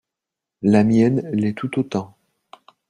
La mienne l’est tout autant.